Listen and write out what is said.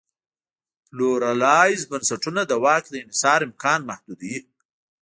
پلورالایز بنسټونه د واک دانحصار امکان محدودوي.